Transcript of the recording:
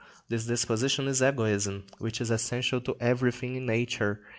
This disposition is egoism, which is essential to everything in Nature.